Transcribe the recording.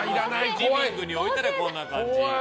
リビングに置いたらこんな感じ。